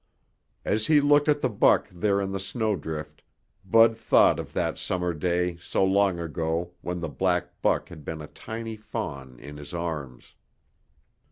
As he looked at the buck there in the snowdrift, Bud thought of that summer day so long ago when the black buck had been a tiny fawn in his arms.